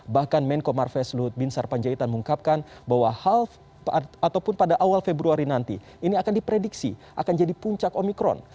bahkan menko marves luhut bin sarpanjaitan mengungkapkan bahwa hal ataupun pada awal februari nanti ini akan diprediksi akan jadi puncak omikron